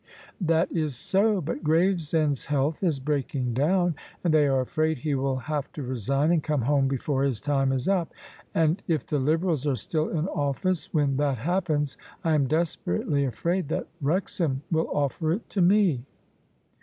"That is so: but Gravesend's health is breaking down, and they are afraid he will have to resign and come home before his time is up. And if the Liberals are still in office when that happens, I am desperately afraid that Wrexham will offer it to me."